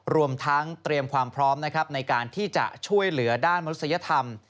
รวมทั้งเตรียมความพร้อมนะครับในการที่จะช่วยเหลือด้านมนุษยธรรม